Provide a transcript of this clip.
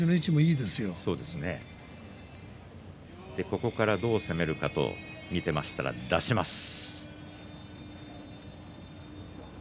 ここから、どう攻めるかと見ていましたら、出します。